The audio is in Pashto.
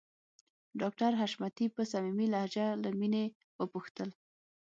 ډاکټر حشمتي په صميمي لهجه له مينې وپوښتل